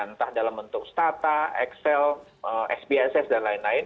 entah dalam bentuk stata excel sbss dan lain lain